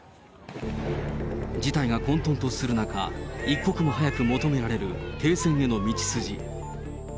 事態が混とんとする中、一刻も早く求められる停戦への道筋。